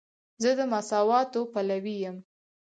زه د مساواتو پلوی یم.